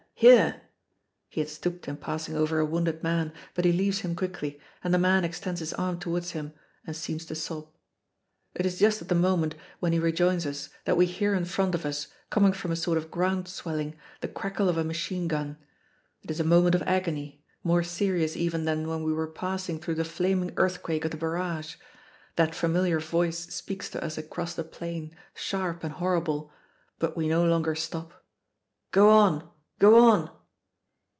Here!" He had stooped in passing over a wounded man, but he leaves him quickly, and the man extends his arms towards him and seems to sob. It is just at the moment when he rejoins us that we hear in front of us, coming from a sort of ground swelling, the crackle of a machine gun. It is a moment of agony more serious even than when we were passing through the flaming earthquake of the barrage. That familiar voice speaks to us across the plain, sharp and horrible. But we no longer stop. "Go on, go on!"